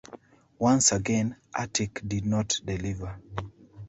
Once again, Attic did not deliver.